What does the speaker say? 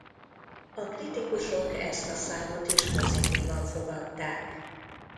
A kritikusok ezt a számot is pozitívan fogadták.